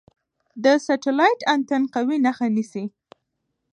د سټلایټ انتن قوي نښه نیسي.